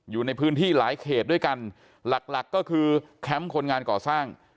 อยู่ในพื้นที่หลายเขตด้วยกันหลักหลักก็คือแคมป์คนงานก่อสร้าง